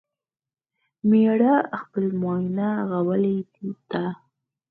مېړه خپله ماينه غوولې ده